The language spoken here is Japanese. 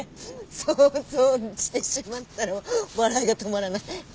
想像してしまったら笑いが止まらない。